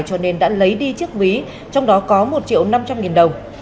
cho nên đã lấy đi chiếc ví trong đó có một triệu năm trăm linh nghìn đồng